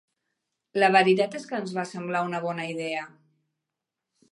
La veritat és que ens va semblar una bona idea.